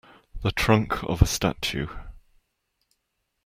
The trunk of a statue.